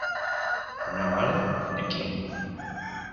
¿ una bala, de quién?